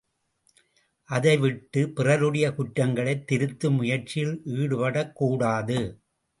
அதைவிட்டு விட்டு பிறருடைய குற்றங்களைத் திருத்தும் முயற்சியில் ஈடுபடக்கூடாது.